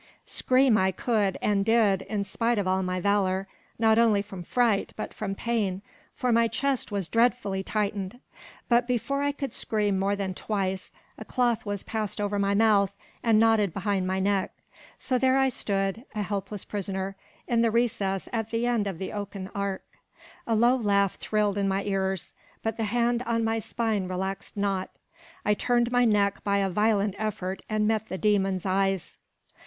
Scream I could, and did, in spite of all my valour, not only from fright, but from pain, for my chest was dreadfully tightened; but before I could scream more than twice, a cloth was passed over my mouth, and knotted behind my neck. So there I stood, a helpless prisoner, in the recess at the end of the oaken ark. A low laugh thrilled in my ears, but the hand on my spine relaxed not; I turned my neck by a violent effort and met the demon's eyes.